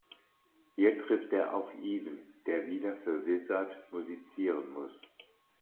Hier trifft er auf Evan, der wieder für Wizard musizieren muss.